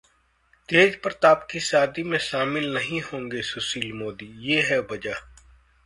तेजप्रताप यादव की शादी में शामिल नहीं होंगे सुशील मोदी, ये है वजह